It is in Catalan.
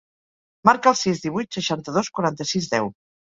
Marca el sis, divuit, seixanta-dos, quaranta-sis, deu.